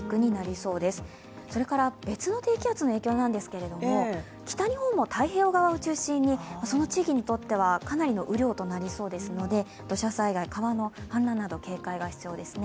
それから別の低気圧の影響なんですけど北日本も太平洋側を中心にその地域にとっては、かなりの雨量となりそうですので土砂災害、川の氾濫など警戒が必要ですね。